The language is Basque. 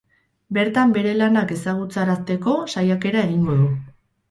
Bertan bere lanak ezagutarazteko saiakera egingo du.